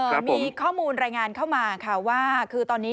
มีข้อมูลรายงานเข้ามาค่ะว่าคือตอนนี้